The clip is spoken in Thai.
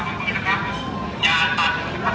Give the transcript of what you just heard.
การประตูกรมทหารที่สิบเอ็ดเป็นภาพสดขนาดนี้นะครับ